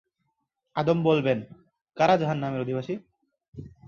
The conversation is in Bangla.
আদম বলবেন, ‘কারা জাহান্নামের অধিবাসী’?